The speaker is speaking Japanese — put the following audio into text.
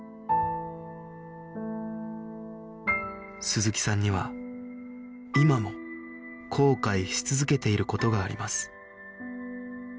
鈴木さんには今も後悔し続けている事があります